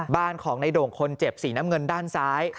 บ้านของในโด่งคนเจ็บสีน้ำเงินด้านซ้าย